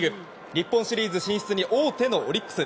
日本シリーズ進出に王手のオリックス。